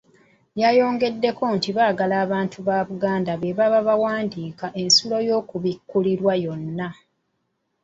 Yayongeddeko nti baagala abantu ba Buganda be baba bawandiika essuula y'okubikkulirwa yonna.